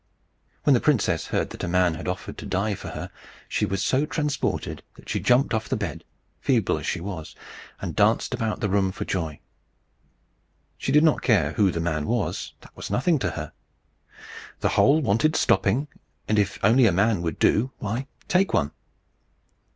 When the princess heard that a man had offered to die for her, she was so transported that she jumped off the bed, feeble as she was, and danced about the room for joy. She did not care who the man was; that was nothing to her. The hole wanted stopping; and if only a man would do, why, take one.